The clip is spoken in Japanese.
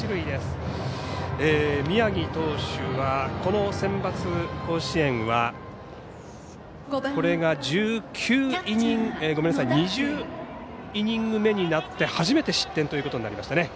宮城投手はこのセンバツ甲子園はこれが２０イニング目になって初めて失点ということになりました。